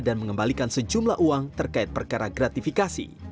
dan mengembalikan sejumlah uang terkait perkara gratifikasi